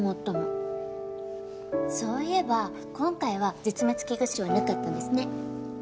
そういえば今回は絶滅危惧種はなかったんですね。